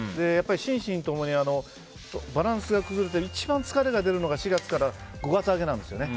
心身ともにバランスが崩れて一番疲れが出るのが４月から５月明けなんですね。